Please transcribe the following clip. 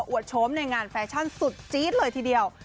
วดโฉมในงานแฟชั่นสุดจี๊ดเลยทีเดียว